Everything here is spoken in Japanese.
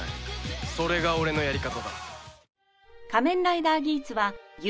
それが俺のやり方だ。